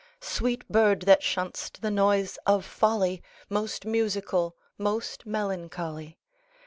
Sweet bird, that shunn'st the noise of folly, Most musical, most melancholy!